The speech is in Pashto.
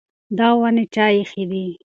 دا ونې چا ایښې دي؟